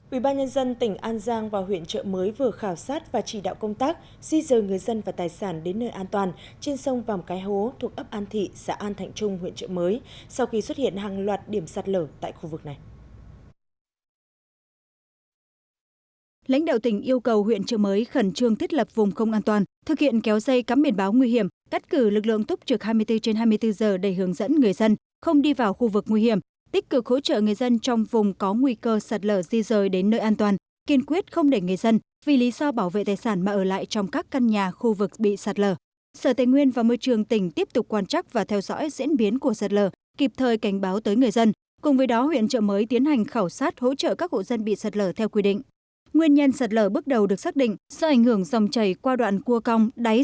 ubnd tỉnh an giang và huyện chợ mới vừa khảo sát và chỉ đạo công tác di dời người dân và tài sản đến nơi an toàn trên sông vòng cái hố thuộc ấp an thị xã an thạnh trung huyện chợ mới sau khi xuất hiện hàng loạt điểm sạt lở tại khu vực này